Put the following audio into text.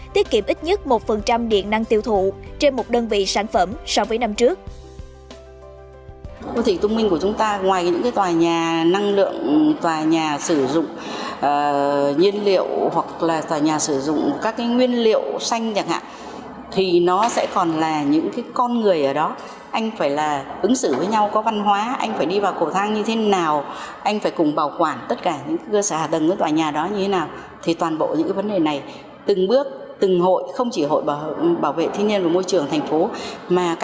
tiết kiệm ít nhất một điện năng tiêu thụ trên một đơn vị sản phẩm so với năm trước